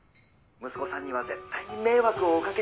「息子さんには絶対に迷惑をおかけしません」